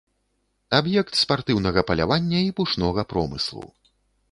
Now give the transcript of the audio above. Аб'ект спартыўнага палявання і пушнога промыслу.